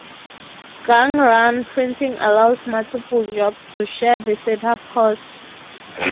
Gang-run printing allows multiple jobs to share the setup cost.